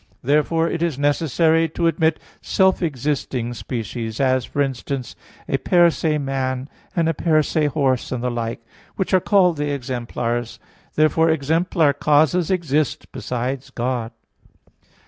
Therefore it is necessary to admit self existing species, as for instance, a per se man, and a per se horse, and the like, which are called the exemplars. Therefore exemplar causes exist besides God.